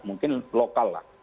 mungkin lokal lah